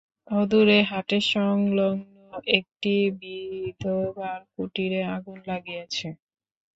অদূরে হাটের সংলগ্ন একটি বিধবার কুটিরে আগুন লাগিয়াছে।